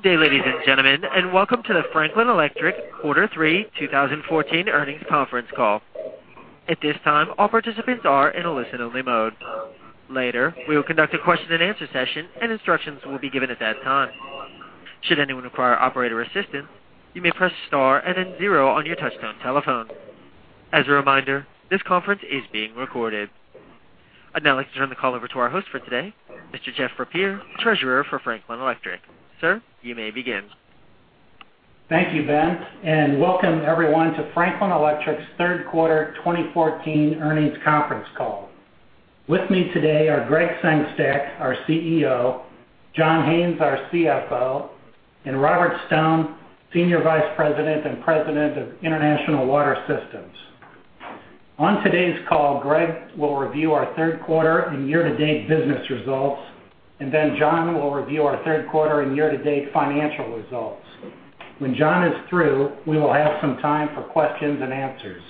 Good day, ladies and gentlemen, and welcome to the Franklin Electric Quarter Three 2014 Earnings Conference Call. At this time, all participants are in a listen-only mode. Later, we will conduct a question-and-answer session, and instructions will be given at that time. Should anyone require operator assistance, you may press star and then zero on your touchtone telephone. As a reminder, this conference is being recorded. I'd now like to turn the call over to our host for today, Mr. Jeffery Peer, Treasurer for Franklin Electric. Sir, you may begin. Thank you, Ben, and welcome everyone to Franklin Electric's third quarter 2014 earnings conference call. With me today are Gregg Sengstack, our CEO, John Haines, our CFO, and Robert Stone, Senior Vice President and President of International Water Systems. On today's call, Gregg will review our third quarter and year-to-date business results, and then John will review our third quarter and year-to-date financial results. When John is through, we will have some time for questions and answers.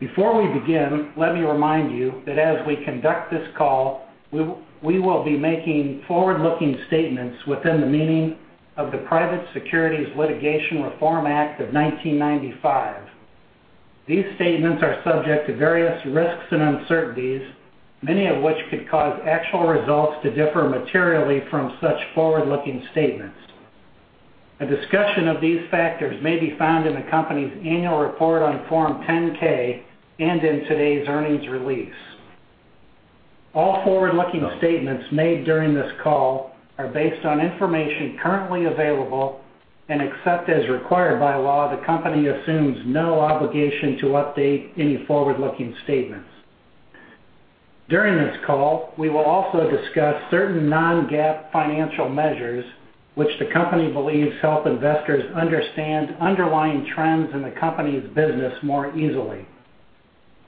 Before we begin, let me remind you that as we conduct this call, we will be making forward-looking statements within the meaning of the Private Securities Litigation Reform Act of 1995. These statements are subject to various risks and uncertainties, many of which could cause actual results to differ materially from such forward-looking statements. A discussion of these factors may be found in the company's annual report on Form 10-K and in today's earnings release. All forward-looking statements made during this call are based on information currently available, and except as required by law, the company assumes no obligation to update any forward-looking statements. During this call, we will also discuss certain non-GAAP financial measures, which the company believes help investors understand underlying trends in the company's business more easily.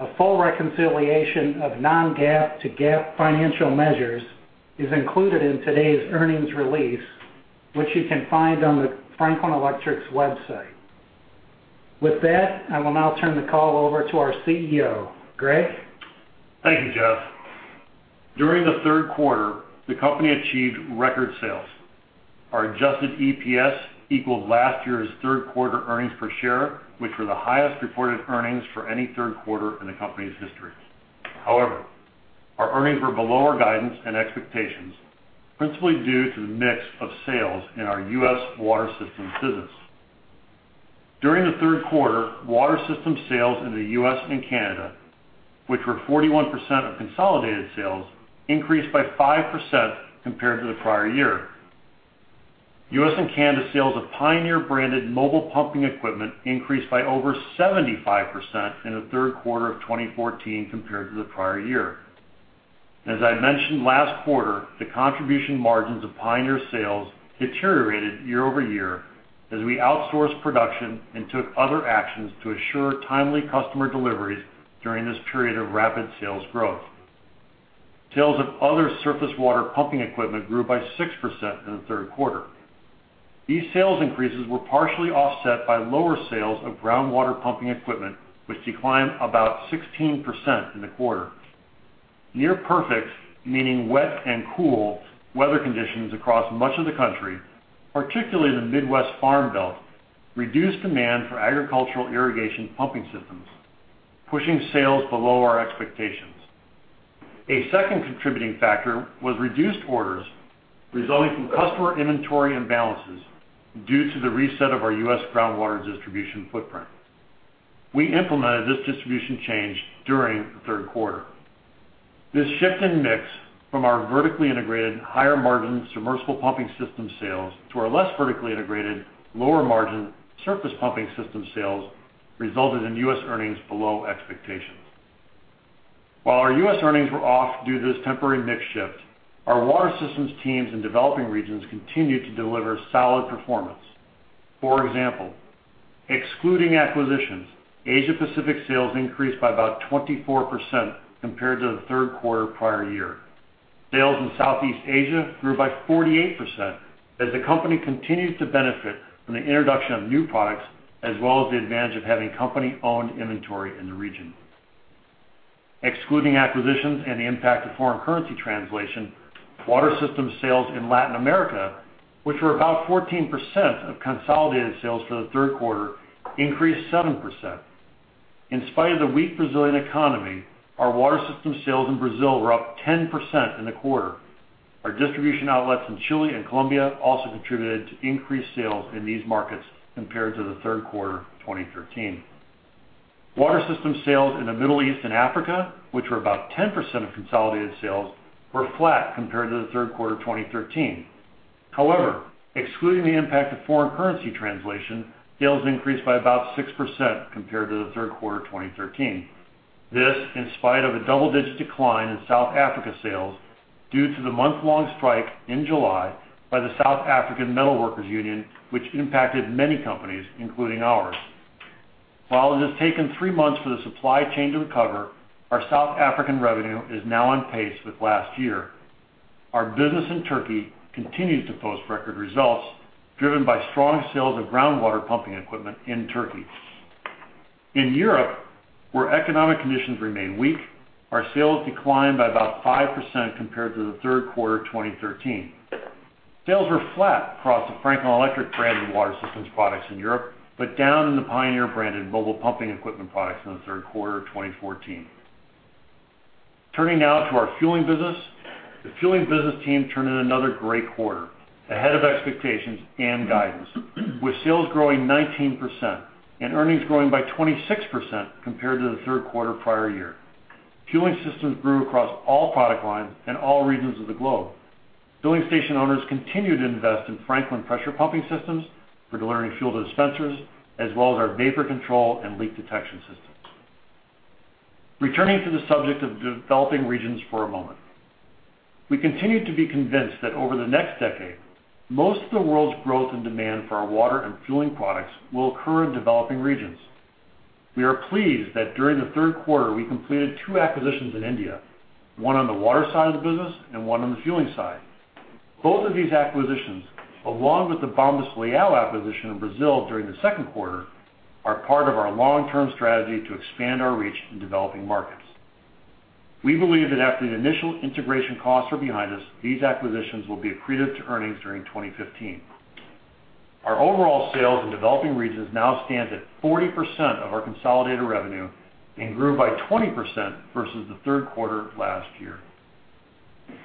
A full reconciliation of non-GAAP to GAAP financial measures is included in today's earnings release, which you can find on the Franklin Electric's website. With that, I will now turn the call over to our CEO. Gregg? Thank you, Jeff. During the third quarter, the company achieved record sales. Our adjusted EPS equaled last year's third quarter earnings per share, which were the highest reported earnings for any third quarter in the company's history. However, our earnings were below our guidance and expectations, principally due to the mix of sales in our U.S. Water Systems business. During the third quarter, Water Systems sales in the U.S. and Canada, which were 41% of consolidated sales, increased by 5% compared to the prior year. U.S. and Canada sales of Pioneer-branded mobile pumping equipment increased by over 75% in the third quarter of 2014 compared to the prior year. As I mentioned last quarter, the contribution margins of Pioneer sales deteriorated year-over-year as we outsourced production and took other actions to assure timely customer deliveries during this period of rapid sales growth. Sales of other surface water pumping equipment grew by 6% in the third quarter. These sales increases were partially offset by lower sales of groundwater pumping equipment, which declined about 16% in the quarter. Near perfect, meaning wet and cool, weather conditions across much of the country, particularly the Midwest Farm Belt, reduced demand for agricultural irrigation pumping systems, pushing sales below our expectations. A second contributing factor was reduced orders resulting from customer inventory imbalances due to the reset of our U.S. groundwater distribution footprint. We implemented this distribution change during the third quarter. This shift in mix from our vertically integrated, higher-margin, submersible pumping system sales to our less vertically integrated, lower-margin surface pumping system sales resulted in U.S. earnings below expectations. While our U.S. earnings were off due to this temporary mix shift, our Water Systems teams in developing regions continued to deliver solid performance. For example, excluding acquisitions, Asia Pacific sales increased by about 24% compared to the third quarter prior year. Sales in Southeast Asia grew by 48%, as the company continues to benefit from the introduction of new products, as well as the advantage of having company-owned inventory in the region. Excluding acquisitions and the impact of foreign currency translation, water system sales in Latin America, which were about 14% of consolidated sales for the third quarter, increased 7%. In spite of the weak Brazilian economy, our water system sales in Brazil were up 10% in the quarter. Our distribution outlets in Chile and Colombia also contributed to increased sales in these markets compared to the third quarter of 2013. Water system sales in the Middle East and Africa, which were about 10% of consolidated sales, were flat compared to the third quarter of 2013. However, excluding the impact of foreign currency translation, sales increased by about 6% compared to the third quarter of 2013. This, in spite of a double-digit decline in South Africa sales due to the month-long strike in July by the South African Metalworkers Union, which impacted many companies, including ours. While it has taken 3 months for the supply chain to recover, our South African revenue is now on pace with last year. Our business in Turkey continues to post record results, driven by strong sales of groundwater pumping equipment in Turkey... In Europe, where economic conditions remain weak, our sales declined by about 5% compared to the third quarter of 2013. Sales were flat across the Franklin Electric brand of Water Systems products in Europe, but down in the Pioneer branded mobile pumping equipment products in the third quarter of 2014. Turning now to our fueling business. The fueling business team turned in another great quarter, ahead of expectations and guidance, with sales growing 19% and earnings growing by 26% compared to the third quarter prior year. Fueling Systems grew across all product lines and all regions of the globe. Fueling station owners continued to invest in Franklin pressure pumping systems for delivering fuel to dispensers, as well as our vapor control and leak detection systems. Returning to the subject of developing regions for a moment. We continue to be convinced that over the next decade, most of the world's growth and demand for our water and fueling products will occur in developing regions. We are pleased that during the third quarter, we completed two acquisitions in India, one on the water side of the business and one on the fueling side. Both of these acquisitions, along with the Bombas Leão acquisition in Brazil during the second quarter, are part of our long-term strategy to expand our reach in developing markets. We believe that after the initial integration costs are behind us, these acquisitions will be accretive to earnings during 2015. Our overall sales in developing regions now stands at 40% of our consolidated revenue and grew by 20% versus the third quarter of last year.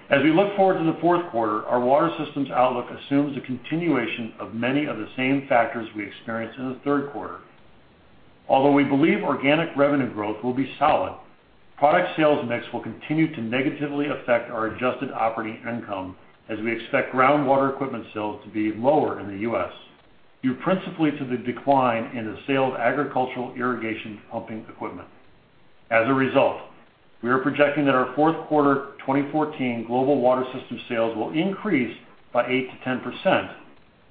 As we look forward to the fourth quarter, our Water Systems outlook assumes a continuation of many of the same factors we experienced in the third quarter. Although we believe organic revenue growth will be solid, product sales mix will continue to negatively affect our adjusted operating income, as we expect groundwater equipment sales to be lower in the U.S., due principally to the decline in the sale of agricultural irrigation pumping equipment. As a result, we are projecting that our fourth quarter 2014 global water system sales will increase by 8%-10%,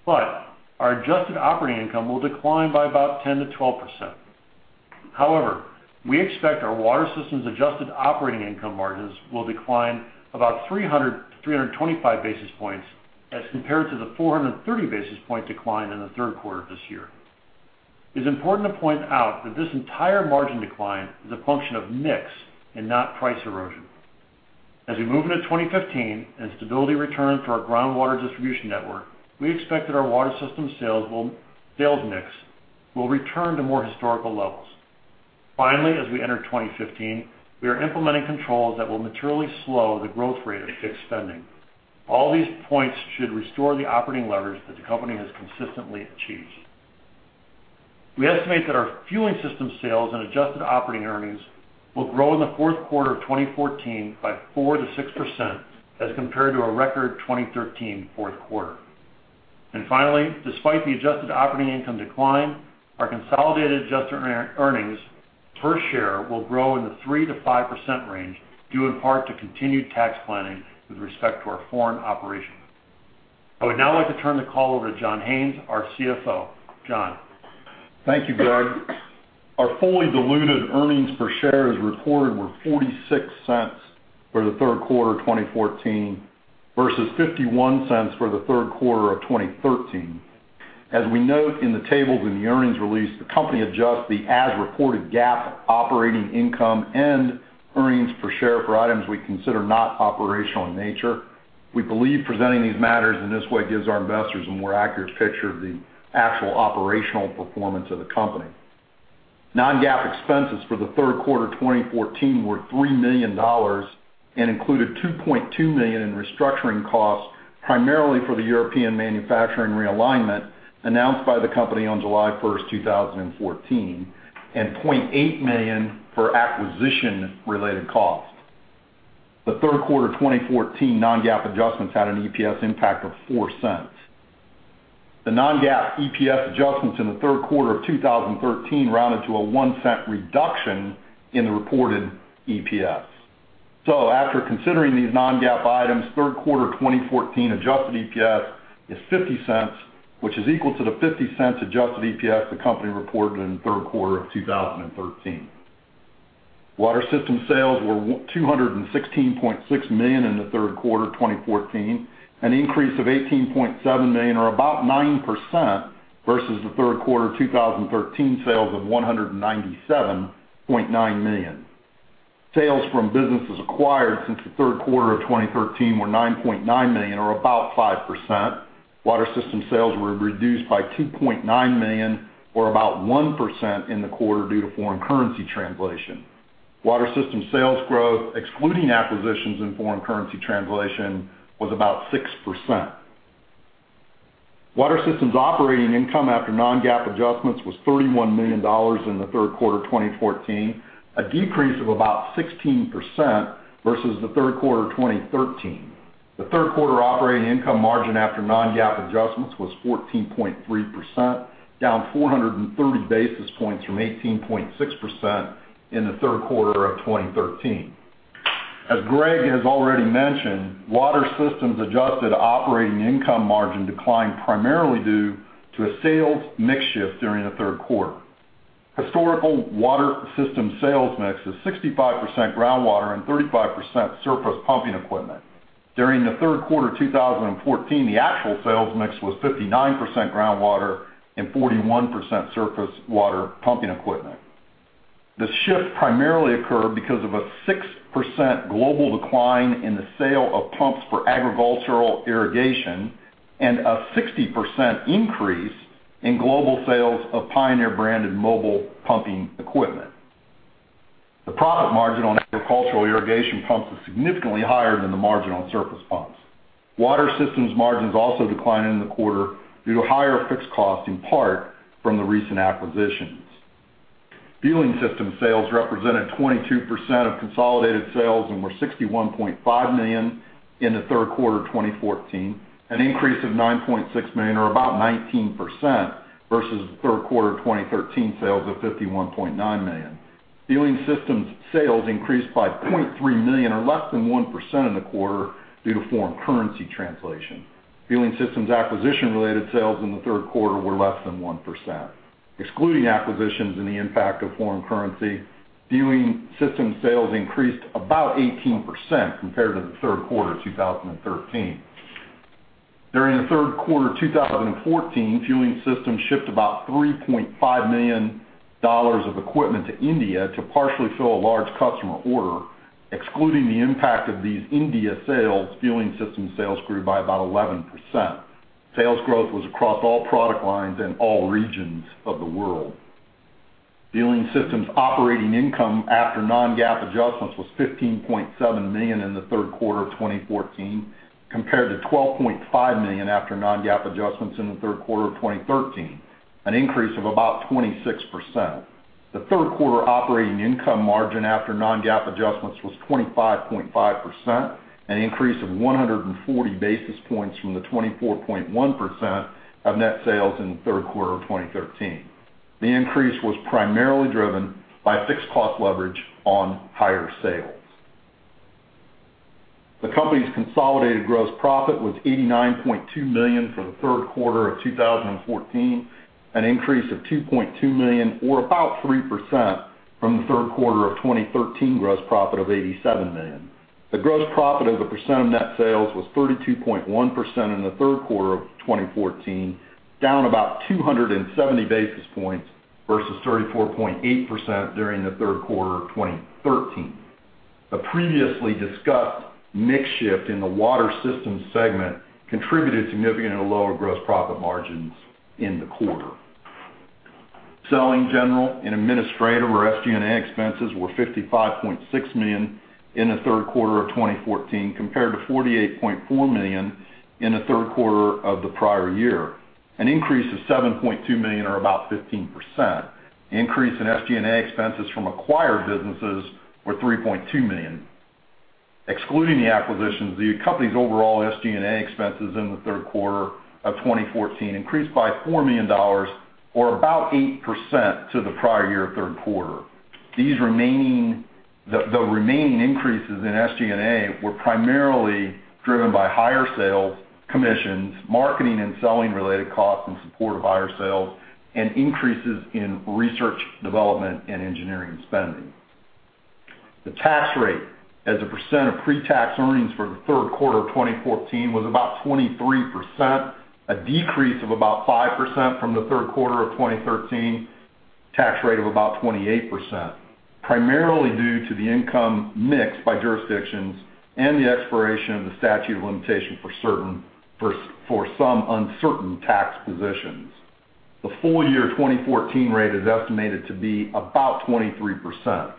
but our adjusted operating income will decline by about 10%-12%. However, we expect our Water Systems adjusted operating income margins will decline about 300-325 basis points as compared to the 430 basis point decline in the third quarter of this year. It's important to point out that this entire margin decline is a function of mix and not price erosion. As we move into 2015 and stability returns to our groundwater distribution network, we expect that our water system sales will-- sales mix will return to more historical levels. Finally, as we enter 2015, we are implementing controls that will materially slow the growth rate of fixed spending. All these points should restore the operating leverage that the company has consistently achieved. We estimate that our fueling system sales and adjusted operating earnings will grow in the fourth quarter of 2014 by 4%-6% as compared to a record 2013 fourth quarter. And finally, despite the adjusted operating income decline, our consolidated adjusted earnings per share will grow in the 3%-5% range, due in part to continued tax planning with respect to our foreign operations. I would now like to turn the call over to John Haines, our CFO. John? Thank you, Gregg. Our fully diluted earnings per share, as reported, were $0.46 for the third quarter of 2014, versus $0.51 for the third quarter of 2013. As we note in the tables in the earnings release, the company adjusts the as-reported GAAP operating income and earnings per share for items we consider not operational in nature. We believe presenting these matters in this way gives our investors a more accurate picture of the actual operational performance of the company. Non-GAAP expenses for the third quarter of 2014 were $3 million and included $2.2 million in restructuring costs, primarily for the European manufacturing realignment announced by the company on July 1, 2014, and $0.8 million for acquisition-related costs. The third quarter of 2014 non-GAAP adjustments had an EPS impact of $0.04. The non-GAAP EPS adjustments in the third quarter of 2013 rounded to a $0.01 reduction in the reported EPS. So after considering these non-GAAP items, third quarter of 2014 adjusted EPS is $0.50, which is equal to the $0.50 adjusted EPS the company reported in the third quarter of 2013. Water system sales were $216.6 million in the third quarter of 2014, an increase of $18.7 million, or about 9%, versus the third quarter of 2013 sales of $197.9 million. Sales from businesses acquired since the third quarter of 2013 were $9.9 million, or about 5%. Water system sales were reduced by $2.9 million, or about 1% in the quarter, due to foreign currency translation. Water Systems sales growth, excluding acquisitions and foreign currency translation, was about 6%. Water Systems operating income after non-GAAP adjustments was $31 million in the third quarter of 2014, a decrease of about 16% versus the third quarter of 2013. The third quarter operating income margin after non-GAAP adjustments was 14.3%, down 430 basis points from 18.6% in the third quarter of 2013. As Gregg has already mentioned, Water Systems adjusted operating income margin declined primarily due to a sales mix shift during the third quarter. Historical Water Systems sales mix is 65% groundwater and 35% surface pumping equipment....During the third quarter of 2014, the actual sales mix was 59% groundwater and 41% surface water pumping equipment. This shift primarily occurred because of a 6% global decline in the sale of pumps for agricultural irrigation and a 60% increase in global sales of Pioneer branded mobile pumping equipment. The profit margin on agricultural irrigation pumps is significantly higher than the margin on surface pumps. Water Systems margins also declined in the quarter due to higher fixed costs, in part from the recent acquisitions. Fueling system sales represented 22% of consolidated sales and were $61.5 million in the third quarter of 2014, an increase of $9.6 million, or about 19% versus the third quarter of 2013 sales of $51.9 million. Fueling Systems sales increased by $0.3 million, or less than 1% in the quarter due to foreign currency translation. Fueling Systems acquisition-related sales in the third quarter were less than 1%. Excluding acquisitions and the impact of foreign currency, fueling system sales increased about 18% compared to the third quarter of 2013. During the third quarter of 2014, Fueling Systems shipped about $3.5 million of equipment to India to partially fill a large customer order. Excluding the impact of these India sales, fueling system sales grew by about 11%. Sales growth was across all product lines in all regions of the world. Fueling Systems operating income after non-GAAP adjustments, was $15.7 million in the third quarter of 2014, compared to $12.5 million after non-GAAP adjustments in the third quarter of 2013, an increase of about 26%. The third quarter operating income margin after non-GAAP adjustments was 25.5%, an increase of 140 basis points from the 24.1% of net sales in the third quarter of 2013. The increase was primarily driven by fixed cost leverage on higher sales. The company's consolidated gross profit was $89.2 million for the third quarter of 2014, an increase of $2.2 million, or about 3% from the third quarter of 2013, gross profit of $87 million. The gross profit as a percent of net sales was 32.1% in the third quarter of 2014, down about 270 basis points versus 34.8% during the third quarter of 2013. A previously discussed mix shift in the Water Systems segment contributed to significantly lower gross profit margins in the quarter. Selling general and administrative, or SG&A expenses, were $55.6 million in the third quarter of 2014, compared to $48.4 million in the third quarter of the prior year, an increase of $7.2 million, or about 15%. Increase in SG&A expenses from acquired businesses were $3.2 million. Excluding the acquisitions, the company's overall SG&A expenses in the third quarter of 2014 increased by $4 million, or about 8% to the prior year third quarter. These remaining increases in SG&A were primarily driven by higher sales commissions, marketing and selling related costs in support of higher sales, and increases in research, development, and engineering spending. The tax rate as a percent of pre-tax earnings for the third quarter of 2014 was about 23%, a decrease of about 5% from the third quarter of 2013, tax rate of about 28%, primarily due to the income mix by jurisdictions and the expiration of the statute of limitation for certain for some uncertain tax positions. The full year 2014 rate is estimated to be about 23%.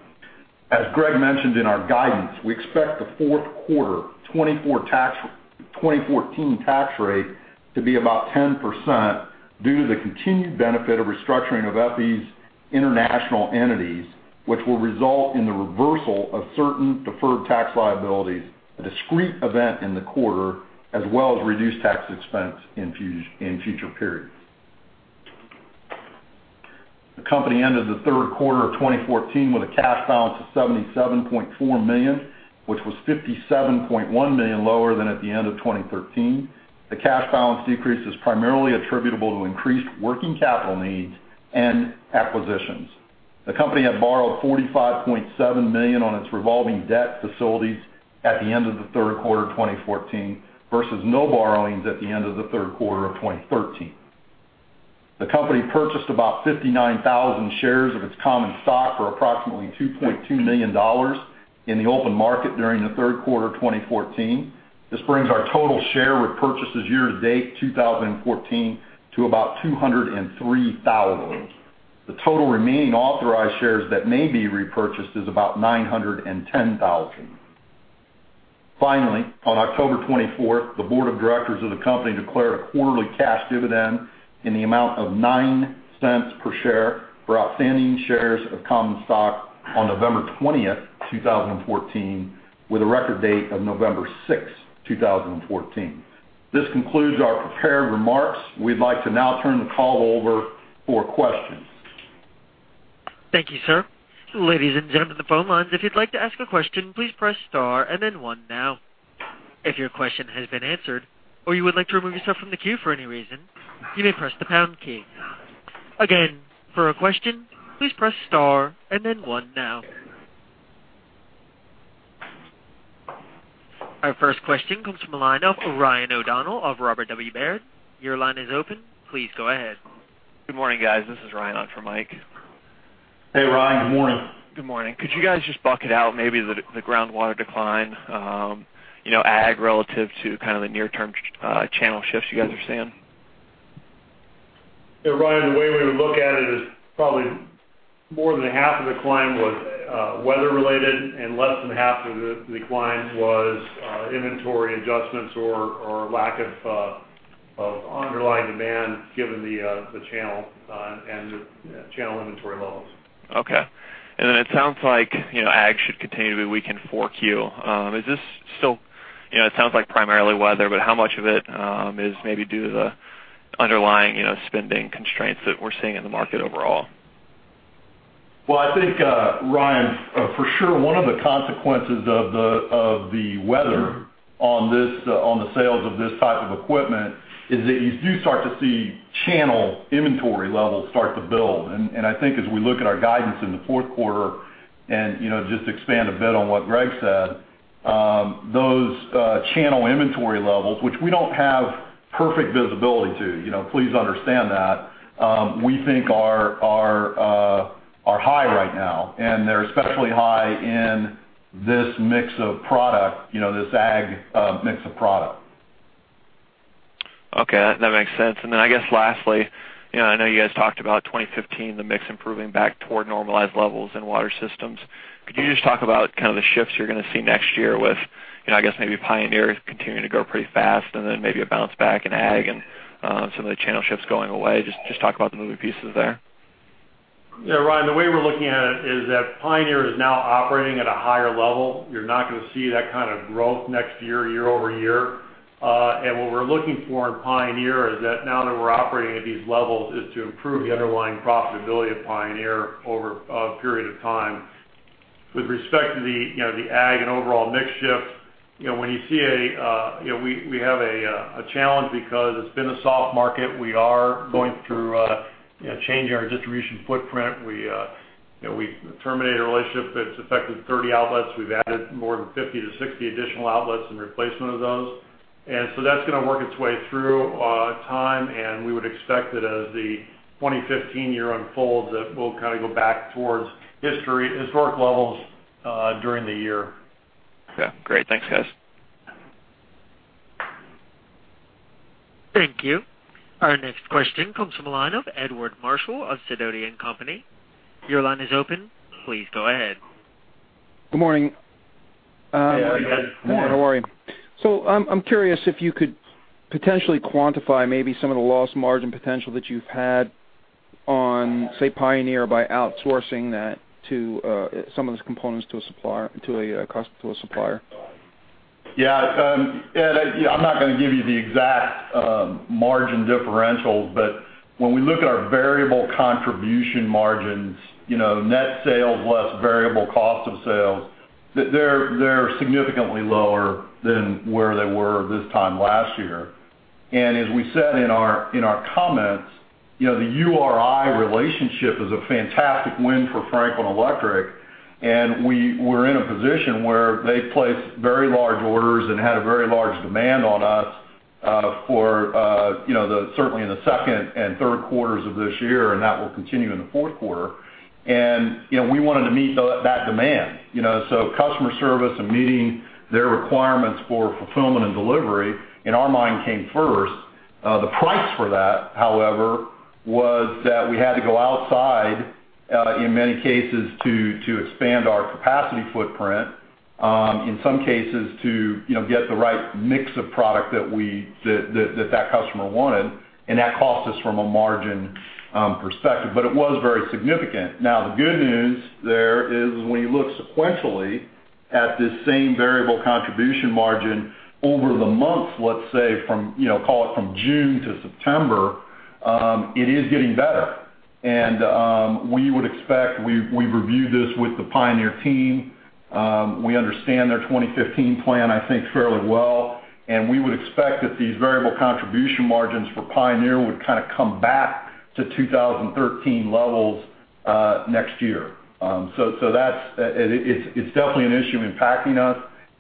As Gregg mentioned in our guidance, we expect the fourth quarter 2014 tax rate to be about 10% due to the continued benefit of restructuring of FE's international entities, which will result in the reversal of certain deferred tax liabilities, a discrete event in the quarter, as well as reduced tax expense in future periods. The company ended the third quarter of 2014 with a cash balance of $77.4 million, which was $57.1 million lower than at the end of 2013. The cash balance decrease is primarily attributable to increased working capital needs and acquisitions. The company had borrowed $45.7 million on its revolving debt facilities at the end of the third quarter of 2014 versus no borrowings at the end of the third quarter of 2013. The company purchased about 59,000 shares of its common stock, for approximately $2.2 million in the open market during the third quarter of 2014. This brings our total share repurchases year-to-date, 2014, to about 203,000. The total remaining authorized shares that may be repurchased is about 910,000. Finally, on October 24th, the board of directors of the company declared a quarterly cash dividend in the amount of $0.09 per share for outstanding shares of common stock on November 20th, 2014, with a record date of November 6th, 2014. This concludes our prepared remarks. We'd like to now turn the call over for questions. Thank you, sir. Ladies and gentlemen, the phone lines. If you'd like to ask a question, please press star and then one now. If your question has been answered, or you would like to remove yourself from the queue for any reason, you may press the pound key. Again, for a question, please press star and then one now. Our first question comes from the line of Ryan O'Donnell of Robert W. Baird. Your line is open. Please go ahead. Good morning, guys. This is Ryan on for Mike. Hey, Ryan. Good morning. Good morning. Could you guys just bucket out maybe the groundwater decline, you know, ag relative to kind of the near-term channel shifts you guys are seeing? Yeah, Ryan, the way we would look at it is probably more than half of the decline was weather related, and less than half of the decline was inventory adjustments or lack of underlying demand, given the channel and the channel inventory levels. Okay. And then it sounds like, you know, ag should continue to be weak in 4Q. Is this still, you know, it sounds like primarily weather, but how much of it is maybe due to the underlying, you know, spending constraints that we're seeing in the market overall? Well, I think, Ryan, for sure, one of the consequences of the weather on this on the sales of this type of equipment is that you do start to see channel inventory levels start to build. And I think as we look at our guidance in the fourth quarter and, you know, just to expand a bit on what Greg said, those channel inventory levels, which we don't have perfect visibility to, you know, please understand that, we think are high right now, and they're especially high in this mix of product, you know, this ag mix of product. Okay, that makes sense. And then I guess lastly, you know, I know you guys talked about 2015, the mix improving back toward normalized levels in Water Systems. Mm-hmm. Could you just talk about kind of the shifts you're gonna see next year with, you know, I guess maybe Pioneer continuing to grow pretty fast and then maybe a bounce back in ag and, some of the channel shifts going away? Just, just talk about the moving pieces there. Yeah, Ryan, the way we're looking at it is that Pioneer is now operating at a higher level. You're not gonna see that kind of growth next year, year-over-year. And what we're looking for in Pioneer is that now that we're operating at these levels, is to improve the underlying profitability of Pioneer over a period of time. With respect to the, you know, the ag and overall mix shift, you know, when you see a, you know, we have a challenge because it's been a soft market. We are going through, you know, changing our distribution footprint. You know, we terminated a relationship that's affected 30 outlets. We've added more than 50-60 additional outlets in replacement of those. And so that's gonna work its way through, time, and we would expect that as the 2015 year unfolds, that we'll kind of go back towards history - historic levels, during the year. Yeah. Great. Thanks, guys. Thank you. Our next question comes from the line of Edward Marshall of Sidoti & Company. Your line is open. Please go ahead. Good morning. Hey, Edward. Good morning. How are you? So, I'm curious if you could potentially quantify maybe some of the lost margin potential that you've had on, say, Pioneer, by outsourcing that to some of those components to a supplier, to a cost to a supplier. Yeah, Ed, I'm not gonna give you the exact margin differential, but when we look at our variable contribution margins, you know, net sales, less variable cost of sales, they're significantly lower than where they were this time last year. And as we said in our comments, you know, the URI relationship is a fantastic win for Franklin Electric, and we're in a position where they placed very large orders and had a very large demand on us, for, you know, the certainly in the second and third quarters of this year, and that will continue in the fourth quarter. And, you know, we wanted to meet that demand, you know, so customer service and meeting their requirements for fulfillment and delivery, in our mind, came first. The price for that, however, was that we had to go outside, in many cases, to expand our capacity footprint, in some cases, to, you know, get the right mix of product that we, that customer wanted, and that cost us from a margin perspective, but it was very significant. Now, the good news there is when you look sequentially at this same variable contribution margin over the months, let's say, from, you know, call it from June to September, it is getting better. We would expect, we've reviewed this with the Pioneer team. We understand their 2015 plan, I think, fairly well, and we would expect that these variable contribution margins for Pioneer would kind of come back to 2013 levels, next year. So, that's it. It's definitely an issue impacting us,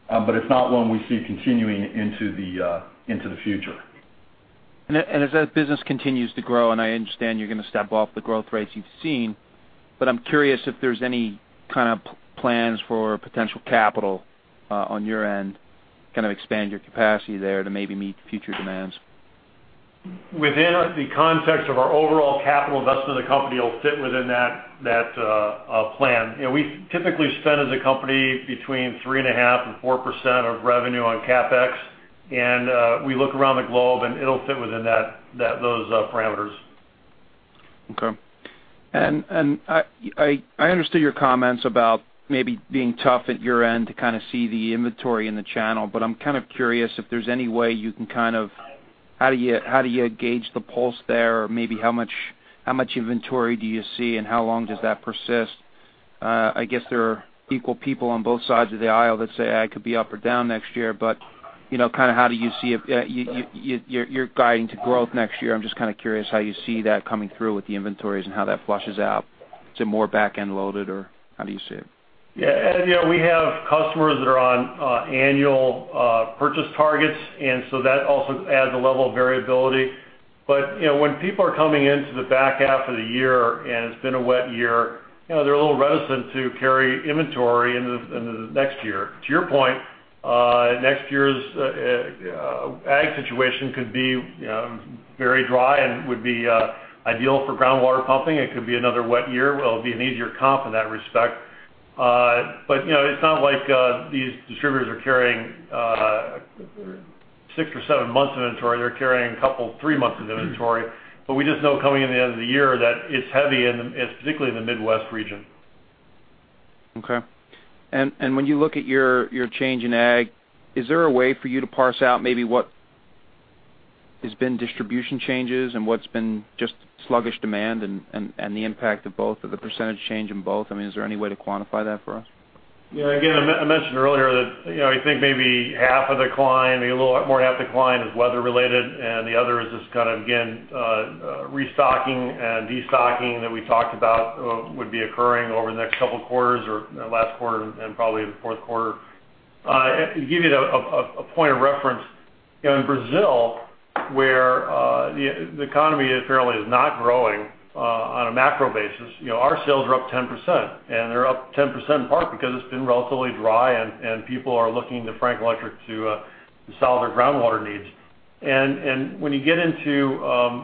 but it's not one we see continuing into the future. As that business continues to grow, and I understand you're gonna step off the growth rates you've seen, but I'm curious if there's any kind of plans for potential capital on your end, kind of expand your capacity there to maybe meet future demands? Within the context of our overall capital investment in the company will fit within that plan. You know, we typically spend, as a company, between 3.5% and 4% of revenue on CapEx, and we look around the globe, and it'll fit within that those parameters. Okay. And I understand your comments about maybe being tough at your end to kind of see the inventory in the channel, but I'm kind of curious if there's any way you can kind of- how do you gauge the pulse there? Or maybe how much inventory do you see, and how long does that persist? I guess there are equal people on both sides of the aisle that say, I could be up or down next year, but you know, kind of how do you see it? You're guiding to growth next year. I'm just kind of curious how you see that coming through with the inventories and how that flushes out. Is it more back-end loaded, or how do you see it? Yeah, and you know, we have customers that are on annual purchase targets, and so that also adds a level of variability. But, you know, when people are coming into the back half of the year, and it's been a wet year, you know, they're a little reticent to carry inventory into the next year. To your point, next year's ag situation could be, you know, very dry and would be ideal for groundwater pumping. It could be another wet year, where it'll be an easier comp in that respect. But, you know, it's not like these distributors are carrying six or seven months inventory. They're carrying a couple, three months of inventory, but we just know coming in the end of the year, that it's heavy in, particularly in the Midwest region. Okay. And when you look at your change in ag, is there a way for you to parse out maybe what has been distribution changes and what's been just sluggish demand and the impact of both, or the percentage change in both? I mean, is there any way to quantify that for us? Yeah, again, I mentioned earlier that, you know, I think maybe half of the decline, maybe a little more half the decline is weather related, and the other is just kind of, again, restocking and destocking that we talked about would be occurring over the next couple quarters or last quarter and probably in the fourth quarter. To give you a point of reference, you know, in Brazil, where the economy apparently is not growing on a macro basis, you know, our sales are up 10%, and they're up 10% in part because it's been relatively dry, and people are looking to Franklin Electric to solve their groundwater needs. And when you get into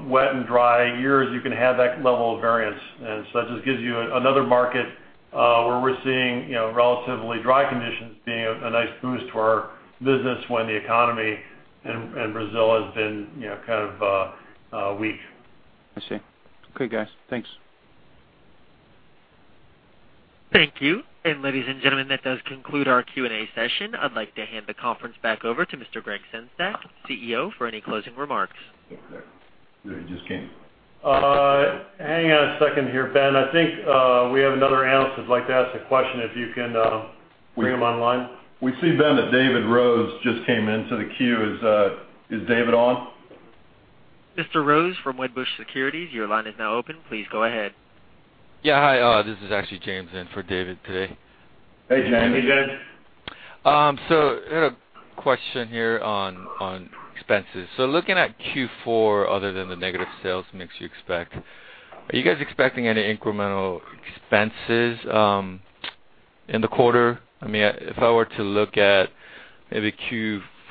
wet and dry years, you can have that level of variance. And so that just gives you another market where we're seeing, you know, relatively dry conditions being a nice boost to our business when the economy in Brazil has been, you know, kind of weak. I see. Okay, guys. Thanks. Thank you. Ladies and gentlemen, that does conclude our Q&A session. I'd like to hand the conference back over to Mr. Gregg Sengstack, CEO, for any closing remarks. He just came. Hang on a second here, Ben. I think we have another analyst who'd like to ask a question, if you can bring him online. We see, Ben, that David Rose just came into the queue. Is David on? Mr. Rose from Wedbush Securities, your line is now open. Please go ahead. Yeah. Hi, this is actually James in for David today. Hey, James. Hey, James. So I had a question here on expenses. So looking at Q4, other than the negative sales mix you expect, are you guys expecting any incremental expenses in the quarter? I mean, if I were to look at maybe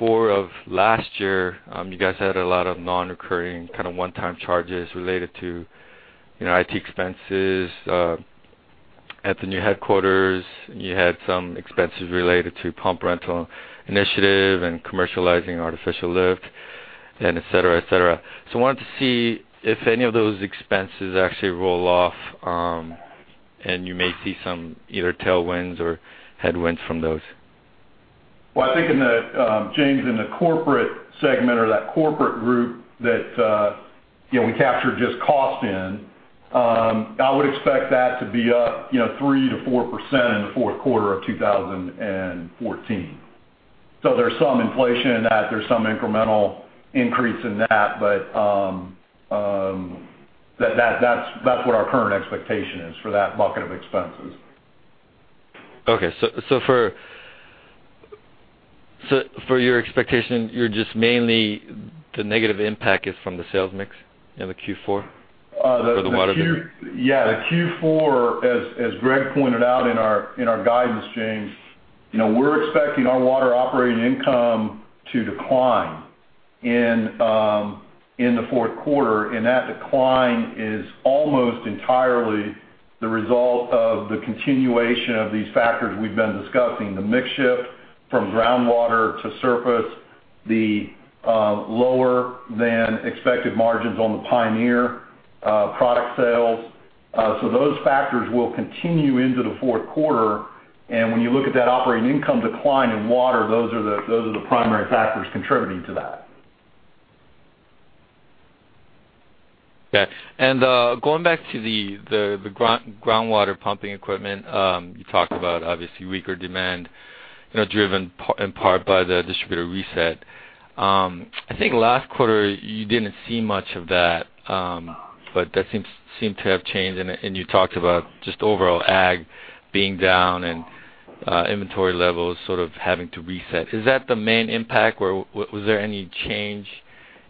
Q4 of last year, you guys had a lot of non-recurring, kind of one-time charges related to, you know, IT expenses at the new headquarters. You had some expenses related to pump rental initiative and commercializing artificial lift, and et cetera, et cetera. So I wanted to see if any of those expenses actually roll off, and you may see some either tailwinds or headwinds from those. Well, I think in the, James, in the corporate segment or that corporate group that, you know, we captured just cost in, I would expect that to be up, you know, 3%-4% in the fourth quarter of 2014. So there's some inflation in that. There's some incremental increase in that, but, that that's what our current expectation is for that bucket of expenses. Okay. So for your expectation, you're just mainly the negative impact is from the sales mix in Q4? Uh, the- For the water- Yeah, the Q4, as Greg pointed out in our guidance, James, you know, we're expecting our water operating income to decline in the fourth quarter, and that decline is almost entirely the result of the continuation of these factors we've been discussing: the mix shift from groundwater to surface, the lower-than-expected margins on the Pioneer product sales. So those factors will continue into the fourth quarter, and when you look at that operating income decline in water, those are the primary factors contributing to that. Okay. Going back to the groundwater pumping equipment, you talked about, obviously, weaker demand, you know, driven in part by the distributor reset. I think last quarter, you didn't see much of that, but that seems to have changed, and you talked about just overall ag being down and inventory levels sort of having to reset. Is that the main impact, or was there any change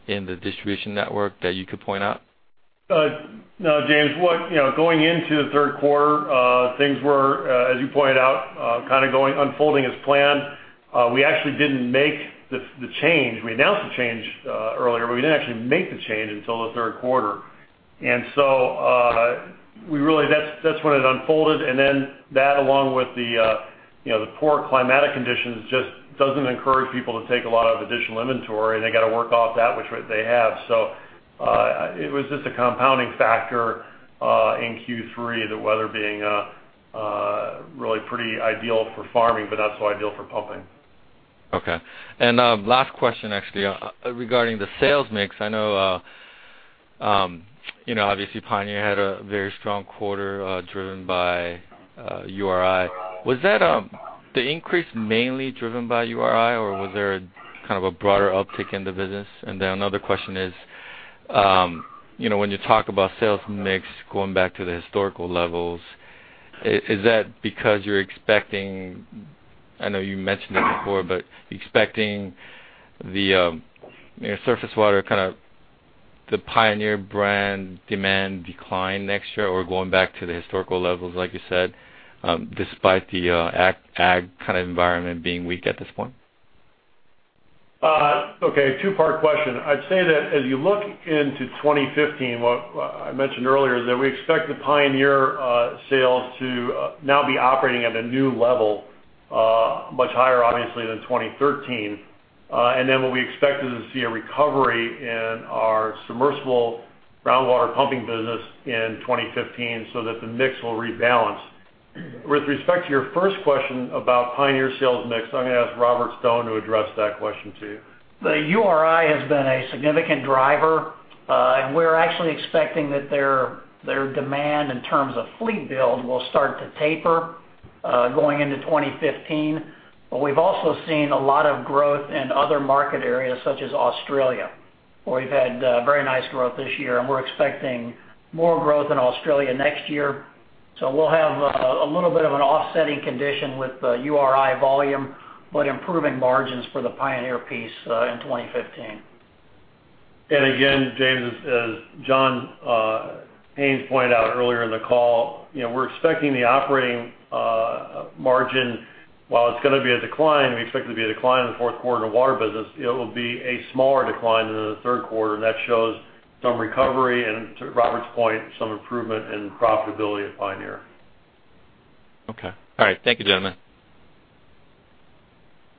in the distribution network that you could point out? No, James. What, you know, going into the third quarter, things were, as you pointed out, kind of going unfolding as planned. We actually didn't make the, the change. We announced the change, earlier, but we didn't actually make the change until the third quarter. And so, we really, that's, that's when it unfolded, and then that, along with the, you know, the poor climatic conditions, just doesn't encourage people to take a lot of additional inventory, and they got to work off that, which they have. So, it was just a compounding factor, in Q3, the weather being, really pretty ideal for farming, but not so ideal for pumping.... Okay. And last question, actually, regarding the sales mix. I know, you know, obviously, Pioneer had a very strong quarter, driven by URI. Was that the increase mainly driven by URI, or was there kind of a broader uptick in the business? And then another question is, you know, when you talk about sales mix, going back to the historical levels, is that because you're expecting—I know you mentioned it before, but expecting the, you know, surface water, kind of the Pioneer brand demand decline next year, or going back to the historical levels, like you said, despite the ag kind of environment being weak at this point? Okay, two-part question. I'd say that as you look into 2015, what I, I mentioned earlier, is that we expect the Pioneer sales to now be operating at a new level, much higher, obviously, than 2013. And then what we expected to see a recovery in our submersible groundwater pumping business in 2015 so that the mix will rebalance. With respect to your first question about Pioneer sales mix, I'm going to ask Robert Stone to address that question to you. The URI has been a significant driver, and we're actually expecting that their, their demand in terms of fleet build will start to taper, going into 2015. But we've also seen a lot of growth in other market areas, such as Australia, where we've had, very nice growth this year, and we're expecting more growth in Australia next year. So we'll have, a little bit of an offsetting condition with the URI volume, but improving margins for the Pioneer piece, in 2015. And again, James, as John J. Haines pointed out earlier in the call, you know, we're expecting the operating margin, while it's gonna be a decline, we expect it to be a decline in the fourth quarter of the water business, it will be a smaller decline than in the third quarter. And that shows some recovery, and to Robert's point, some improvement in profitability at Pioneer. Okay. All right. Thank you, gentlemen.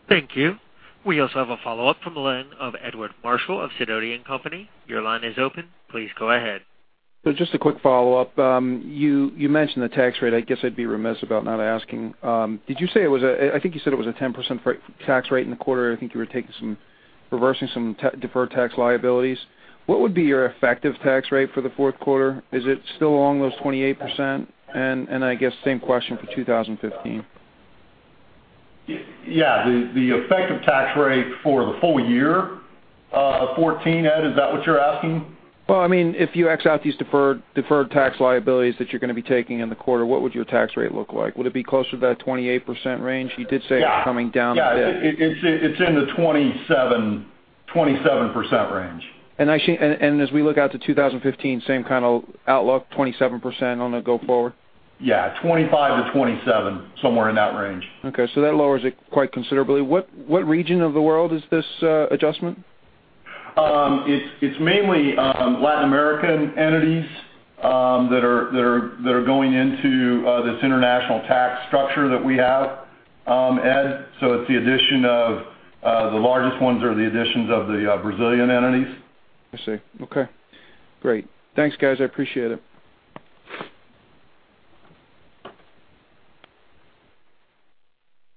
Thank you. We also have a follow-up from the line of Edward Marshall of Sidoti & Company. Your line is open. Please go ahead. So just a quick follow-up. You, you mentioned the tax rate. I guess I'd be remiss about not asking. Did you say it was a—I think you said it was a 10% tax rate in the quarter, I think you were taking some, reversing some deferred tax liabilities. What would be your effective tax rate for the fourth quarter? Is it still along those 28%? And, and I guess the same question for 2015. Yeah, the effective tax rate for the full year 2014, Ed, is that what you're asking? Well, I mean, if you X out these deferred tax liabilities that you're gonna be taking in the quarter, what would your tax rate look like? Would it be closer to that 28% range? You did say it was coming down a bit. Yeah. It's in the 27, 27% range. I see, and as we look out to 2015, same kind of outlook, 27% on the go forward? Yeah, 25-27, somewhere in that range. Okay, so that lowers it quite considerably. What, what region of the world is this adjustment? It's mainly Latin American entities that are going into this international tax structure that we have, Ed, so it's the addition of the largest ones or the additions of the Brazilian entities. I see. Okay, great. Thanks, guys. I appreciate it.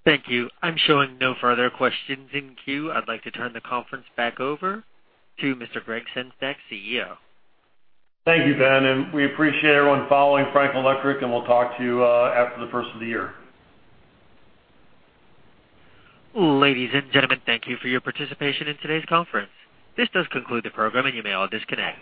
Thank you. I'm showing no further questions in queue. I'd like to turn the conference back over to Mr. Gregg Sengstack, CEO. Thank you, Ben, and we appreciate everyone following Franklin Electric, and we'll talk to you after the first of the year. Ladies and gentlemen, thank you for your participation in today's conference. This does conclude the program, and you may all disconnect.